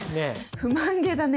不満げだね。